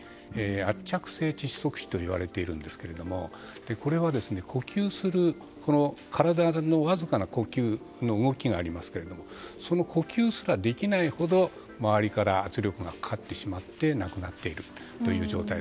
圧着性窒息死と言われていますがこれは、体のわずかな呼吸の動きがありますけれどもその呼吸しかできないほど周りから圧力がかかってしまって亡くなっているという状態。